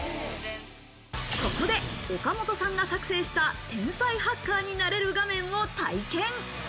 ここで岡本さんが作成した、天才ハッカーになれる画面を体験。